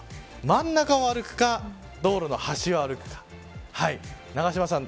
真ん中を歩くか道路の端を歩くか。